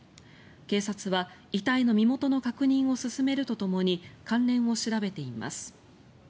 警察は、遺体の身元の確認を進めるとともに関連を調べています。